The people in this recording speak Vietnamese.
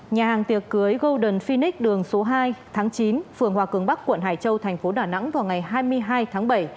nhà hàng tiệc cưới golden finic đường số hai tháng chín phường hòa cường bắc quận hải châu thành phố đà nẵng vào ngày hai mươi hai tháng bảy